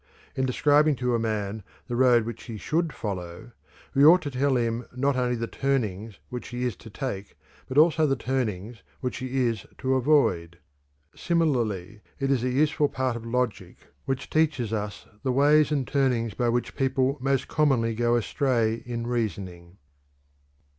In describing to a man the road which he should follow, we ought to tell him not only the turnings which he is to take but also the turnings which he is to avoid. Similarly, it is a useful part of logic which teaches us the ways and turnings by which people most commonly go astray in reasoning."